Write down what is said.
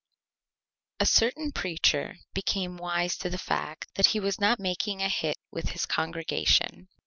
A certain Preacher became wise to the Fact that he was not making a Hit with his Congregation.